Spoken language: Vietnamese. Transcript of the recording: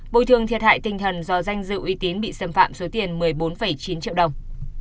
bồi thường thiệt hại tinh thần do danh dự uy tín bị xâm phạm số tiền một mươi bốn chín triệu đồng